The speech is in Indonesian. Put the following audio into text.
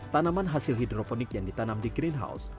tanaman hasil hidroponik yang ditanam di greenhouse